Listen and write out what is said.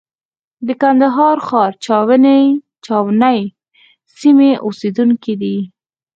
د کندهار ښار چاوڼۍ سیمې اوسېدونکی دی.